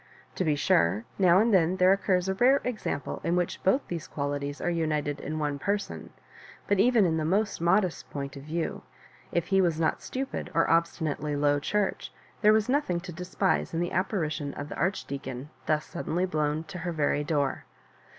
To be sure, now and then there occurs a rare example in which both these qualities are united in one person ; but even in the most mo dest point of view, if he was not stupid or obsti nately Low Church, there was nothing to despise in the apparition of the Archdeacon thus sudden ly blown to her very door.